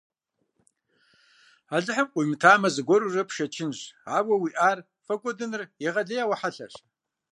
Алыхьым къуимытамэ, зыгуэрурэ пшэчынщ, ауэ уиӀар пфӀэкӀуэдыныр егъэлеяуэ хьэлъэщ.